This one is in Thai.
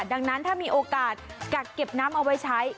ดังนั้นถ้ามีโอกาสกักเก็บน้ำเอาไว้ใช้